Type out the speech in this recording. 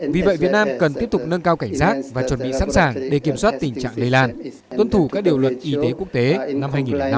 vì vậy việt nam cần tiếp tục nâng cao cảnh giác và chuẩn bị sẵn sàng để kiểm soát tình trạng lây lan tuân thủ các điều luật y tế quốc tế năm hai nghìn năm mươi